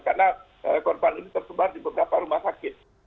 karena korban ini tersebar di beberapa rumah sakit